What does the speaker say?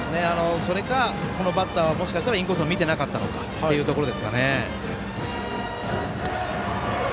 それか、このバッターはインコースを見てなかったのかというところですね。